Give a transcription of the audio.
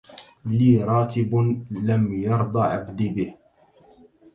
لي راتب لم يرض عبدي به